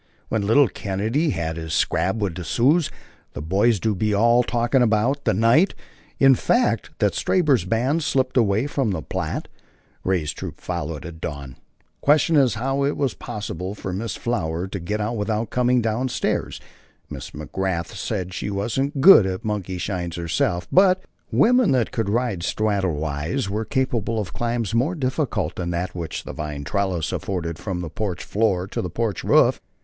"when little Kennedy had his scrap wid the Sioux the boys do be all talkin' about" the night, in fact, that Stabber's band slipped away from the Platte, Ray's troop following at dawn. Questioned as to how it was possible for Miss Flower to get out without coming down stairs, Miss McGrath said she wasn't good at monkeyshines herself, but "wimmen that could ride sthraddle wise" were capable of climbs more difficult than that which the vine trellis afforded from the porch floor to the porch roof.